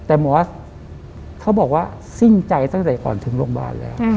แต่หมอเขาบอกว่าสิ้นใจตั้งแต่ก่อนถึงโรงพยาบาลแล้ว